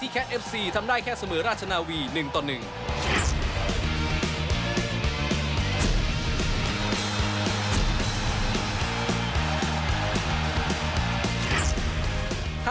แค่เสมอราชนาวี๑ต่อ๑